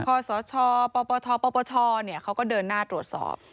พอสชปพพพเนี่ยเขาก็เดินหน้าตรวจสอบ